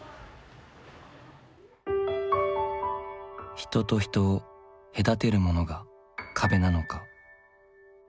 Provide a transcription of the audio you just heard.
人と人を隔てるものが壁なのか。